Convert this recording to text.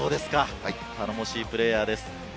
頼もしいプレーヤーです。